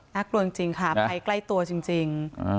น่ากลัวจริงค่ะไปใกล้ตัวจริง